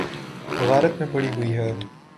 غارت میں پڑی ہوئی ہے۔